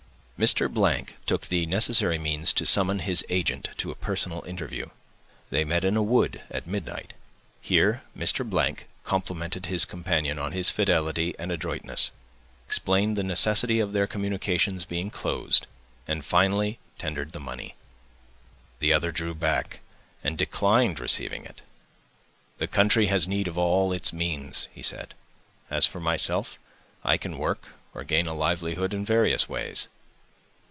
Mr. —— took the necessary means to summon his agent to a personal interview. They met in a wood at midnight. Here Mr. —— complimented his companion on his fidelity and adroitness; explained the necessity of their communications being closed; and finally tendered the money. The other drew back, and declined receiving it. "The country has need of all its means," he said; "as for myself, I can work, or gain a livelihood in various ways."